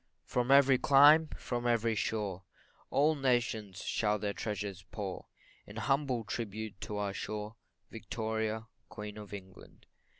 From every clime, from every shore, All nations shall their treasures pour, In humble tribute to our shore, Victoria, Queen of England.